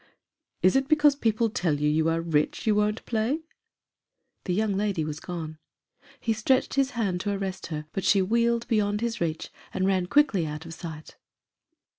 " Is it because people tell you you are rich, you won't play?" The young lady was gone. He stretched his hand to arrest her, but she wheeled beyond his reach, and ran quickly out of sight.